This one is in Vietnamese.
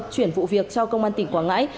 chuyển vụ việc cho công an tỉnh quảng ngãi